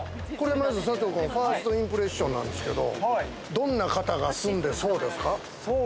ファーストインプレッションなんですけれども、どんな方が住んでそうですか？